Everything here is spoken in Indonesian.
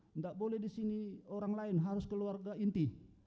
tidak boleh di sini orang lain harus keluarga inti